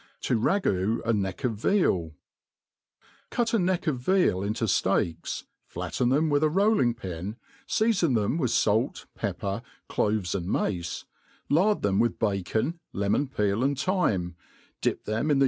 To ragM a Neck of VeaL CUT a neck of veal into (leaks, flatten them with aro]Jing«r pin, feafon them with fait, pepper, cloves, and mace, Iar4 them with bacon, lemon peel, and thyme, dip theqi in the